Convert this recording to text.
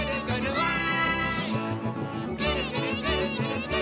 わい！